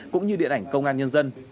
cũng như điện ảnh công an nhân dân